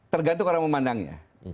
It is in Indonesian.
tergantung orang memandangnya